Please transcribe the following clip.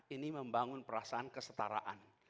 ini membangun perasaan kesetaraan